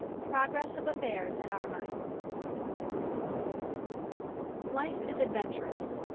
Progress of Affairs at Armine. LIFE is adventurous.